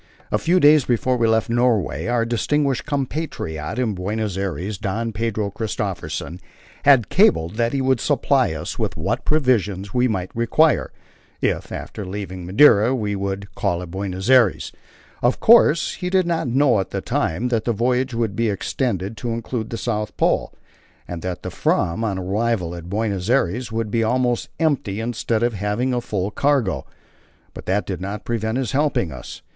A few days before we left Norway our distinguished compatriot in Buenos Aires, Don Pedro Christophersen, had cabled that he would supply us with what provisions we might require, if, after leaving Madeira, we would call at Buenos Aires. Of course, he did not know at that time that the voyage would be extended to include the South Pole, and that the Fram on arrival at Buenos Aires would be almost empty instead of having a full cargo, but that did not prevent his helping us.